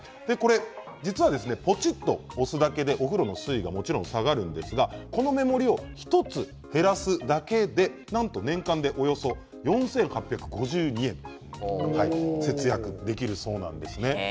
実はポチっと押すだけでお風呂の水位がもちろん下がるんですがこの目盛りを１つ減らすだけでなんと年間でおよそ４８５２円節約できるそうなんですね。